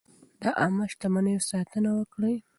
د عامه شتمنیو ساتنه وکړئ.